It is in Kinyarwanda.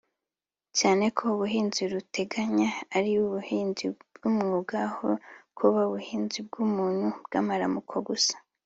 cyane ko ubuhinzi ruteganya “ari ubuhinzi bw’umwuga aho kuba ubuhinzi bw’umuntu bw’amaramuko gusa”